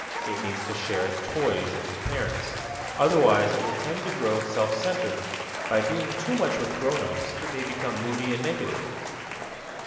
It needs to share its toys and its parents. Otherwise it will tend to grow self centered. By being too much with grown ups it may become moody and negative.